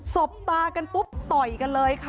บตากันปุ๊บต่อยกันเลยค่ะ